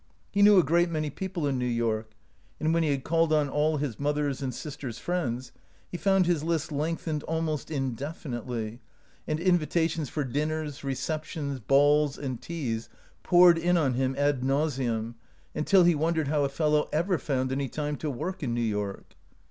He knew a great many people in New York, and when he had called on all his mother's and sister's friends he found his list lengthened almost indefinitely, and invitations for din 206 OUT OF BOHEMIA ners, receptions, balls, and teas poured in on him ad nauseam , until he wondered how a fellow ever found any time to work in New York.